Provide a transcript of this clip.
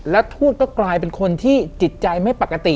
แล้วทูตก็กลายเป็นคนที่จิตใจไม่ปกติ